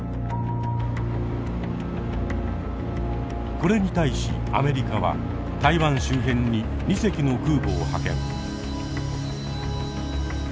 これに対しアメリカは台湾周辺に２隻の空母を派遣。